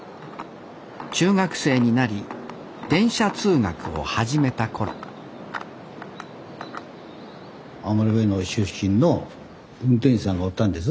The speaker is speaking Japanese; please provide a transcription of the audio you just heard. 中学生になり電車通学を始めた頃余部の出身の運転士さんがおったんです。